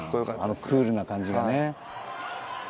あのクールな感じがね